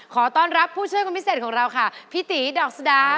ขอต้อนรับผู้ช่วยคนพิเศษของเราค่ะพี่ตีดอกสะดาว